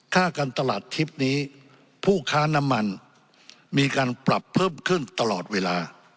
ค่าการตลาดทริปนี้ผู้ค้าน้ำมันมีการปรับเพิ่มขึ้นตลอดเวลา